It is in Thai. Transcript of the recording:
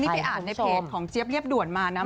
นี่ไปอ่านในเพจของเจี๊ยบเรียบด่วนมานะ